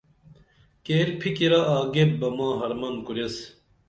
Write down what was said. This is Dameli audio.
کیر پِھکِرہ آگیپ بہ ماں حرمن کُریس